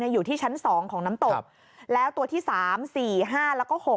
อยู่ที่ชั้น๒ของน้ำตกแล้วตัวที่๓๔๕แล้วก็๖